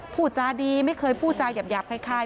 พูดจาดีไม่เคยพูดจาหยาบคล้าย